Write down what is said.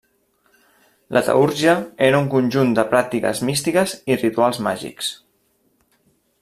La teúrgia era un conjunt de pràctiques místiques i rituals màgics.